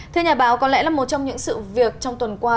thưa nhà báo có lẽ là một trong những sự việc trong tuần qua